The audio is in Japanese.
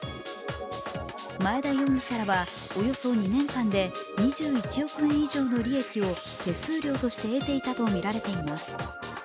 前田容疑者らはおよそ２年間で２１億円以上の利益を手数料として得ていたとみられています。